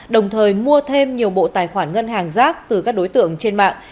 đồng thời mua thêm nhiều bộ tài khoản ngân hàng rác từ các đối tượng trên mạng